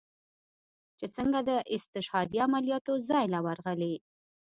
چې سنګه د استشهاديه عملياتو زاى له ورغلې.